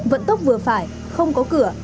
vận tốc vừa phải không có cửa